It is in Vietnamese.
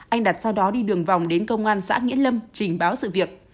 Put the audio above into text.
anh đặt sau đó đi đường vòng đến công an xã nghĩa lâm trình báo sự việc